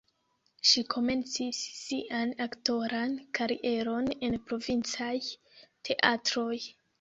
Ŝi komencis sian aktoran karieron en provincaj teatroj.